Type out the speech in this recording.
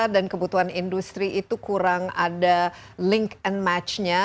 dan kebutuhan industri itu kurang ada link and match nya